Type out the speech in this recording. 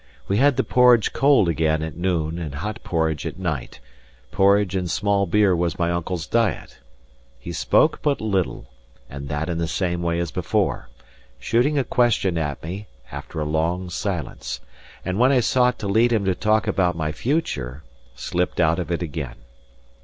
We had the porridge cold again at noon, and hot porridge at night; porridge and small beer was my uncle's diet. He spoke but little, and that in the same way as before, shooting a question at me after a long silence; and when I sought to lead him to talk about my future, slipped out of it again.